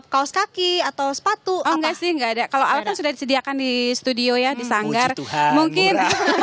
kaos kaki atau sepatu oh enggak sih enggak ada kalau alat kan sudah disediakan di studio ya di sanggar mungkin